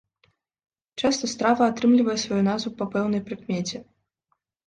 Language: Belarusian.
Часта страва атрымлівае сваю назву па пэўнай прыкмеце.